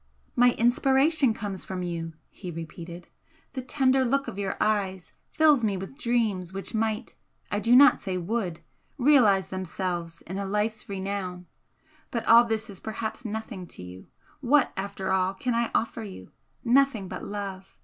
"My inspiration comes from you," he repeated "The tender look of your eyes fills me with dreams which might I do not say would realise themselves in a life's renown but all this is perhaps nothing to you. What, after all, can I offer you? Nothing but love!